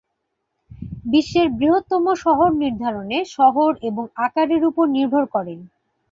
বিশ্বের বৃহত্তম শহর নির্ধারণে "শহর" এবং "আকার"-এর উপর নির্ভর করে।